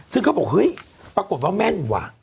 ซึ่งเขาบอกปรากฏว่าแม่น